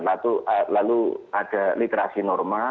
lalu ada literasi norma